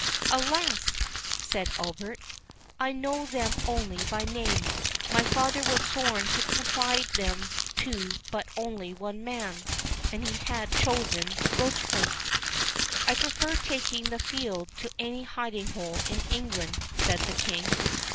"Alas!" said Albert, "I know them only by name. My father was sworn to confide them to but one man, and he had chosen Rochecliffe." "I prefer taking the field to any hiding hole in England," said the King.